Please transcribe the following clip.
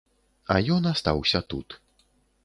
А ён астаўся тут.